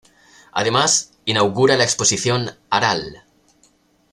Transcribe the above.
Además inaugura la exposición "Aral.